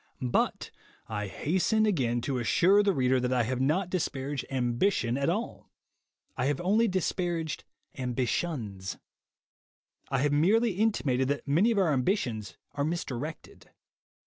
But I hasten again to assure the reader that I have not dis paraged Ambition at all; I have only disparaged ambitions. I have merely intimated that many of our ambitions are misdirected.